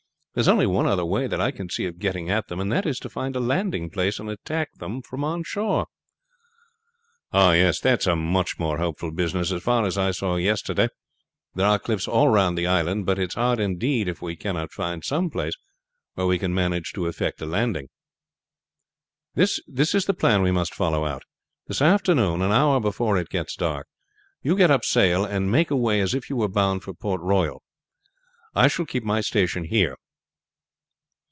There is only one other way that I can see of getting at them, that is to find a landing place and attack them from on shore." "Ah! that's much more hopeful business. As far as I saw yesterday there are cliffs all round the island; but it is hard indeed if we cannot find some place where we can manage to effect a landing. "This is the plan we must follow out. This afternoon an hour before it gets dark you get up sail and make away as if you were bound for Port Royal. I shall keep my station here.